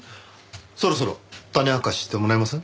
そろそろ種明かししてもらえません？